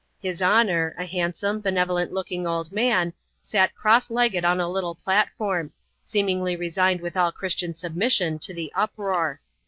His Honour — a hand* some, benevolent looking old man — sat cross legged on a lit^ platform ; seemingly resigned with all Christian submission to the uproar.